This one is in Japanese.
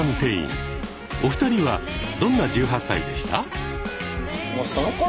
お二人はどんな１８歳でした？